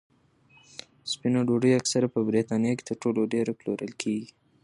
سپینه ډوډۍ اکثره په بریتانیا کې تر ټولو ډېره پلورل کېږي.